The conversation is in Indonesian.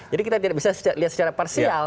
jadi kita tidak bisa lihat secara parsial